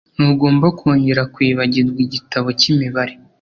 Ntugomba kongera kwibagirwa igitabo cyimibare.